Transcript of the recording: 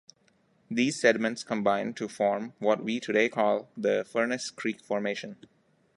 These sediments combined to form what we today call the Furnace Creek Formation.